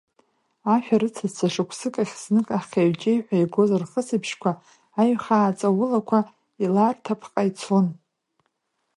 Ашәарыцацәа шықәсык ахь знык ахәаҩ-чеҩҳәа игоз рхысбжьқәа, аҩхаа ҵаулақәа иларҭапҟа ицон.